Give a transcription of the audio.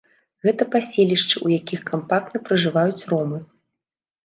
Гэта паселішчы, у якіх кампактна пражываюць ромы.